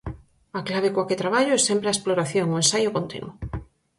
A clave coa que traballo é sempre a exploración, o ensaio continuo.